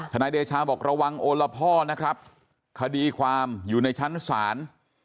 นายเดชาบอกระวังโอละพ่อนะครับคดีความอยู่ในชั้นศาล